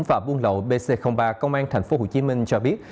và buôn lậu bc ba công an tp hcm cho biết